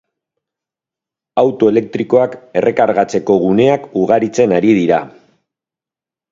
Auto elektrikoak errekargatzeko guneak ugaritzen ari dira.